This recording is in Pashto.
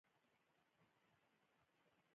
د نجونو تعلیم د ناروغیو په اړه پوهاوی زیاتوي.